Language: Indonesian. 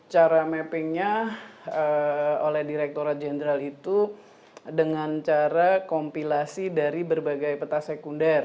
cara mappingnya oleh direkturat jenderal itu dengan cara kompilasi dari berbagai peta sekunder